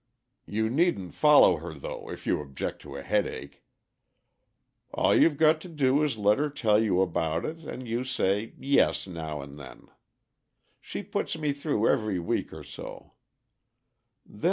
You needn't follow her though if you object to a headache. All you've got to do is to let her tell you about it, and you say 'yes' now and then. She puts me through every week or so.